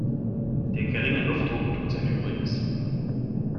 Der geringe Luftdruck tut sein Übriges.